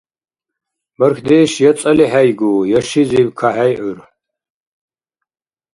Бархьдеш я цӀали хӀейгу, я шизиб кахӀейгӀур.